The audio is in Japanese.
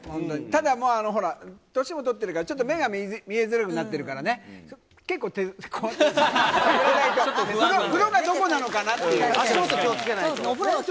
ただ、年も取ってるから、ちょっと目が見えづらくなってるからね、結構、手で、こうやってやらないと、足元気をつけないと。